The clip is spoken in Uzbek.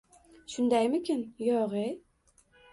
Shundaymikin?!.. Yo’g’-ye…